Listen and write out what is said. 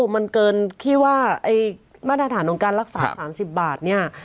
มันเกินที่ว่ามาตรฐานของการรักษา๓๐บาทเนี่ย